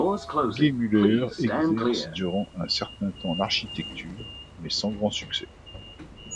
Geymüller exerce durant un certain temps l’architecture, mais sans grand succès.